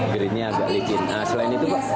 gerinnya agak licin selain itu pak